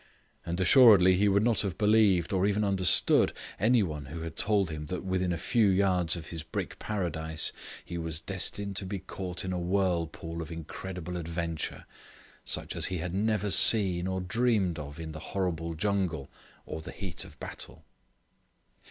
And assuredly he would not have believed, or even understood, any one who had told him that within a few yards of his brick paradise he was destined to be caught in a whirlpool of incredible adventure, such as he had never seen or dreamed of in the horrible jungle, or the heat of battle.